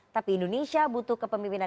tapi indonesia butuh kepemimpinan